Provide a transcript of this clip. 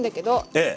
ええ。